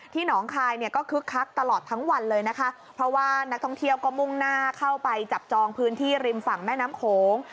หนองคายเนี่ยก็คึกคักตลอดทั้งวันเลยนะคะเพราะว่านักท่องเที่ยวก็มุ่งหน้าเข้าไปจับจองพื้นที่ริมฝั่งแม่น้ำโขง